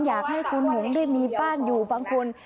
อยากให้คุณหงษ์ได้มีบ้านอยู่บางคน